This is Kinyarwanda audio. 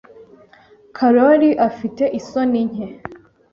Karoli afite isoni nke.